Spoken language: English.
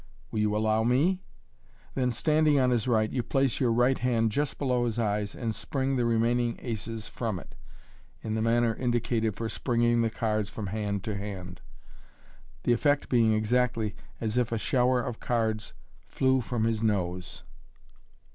Will you allow me '" Then, standing on his right, you place your right hand just below hh eyes, and spring the remaining aces from it, in the manner indicated for springing the cards from hand to hand (see page 37), the effect being exactly as if a shower of cards f sw from his nose.